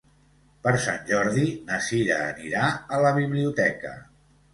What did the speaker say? Per Sant Jordi na Cira anirà a la biblioteca.